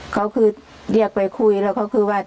เขาคือเรียกไปคุยแล้วก็คือว่า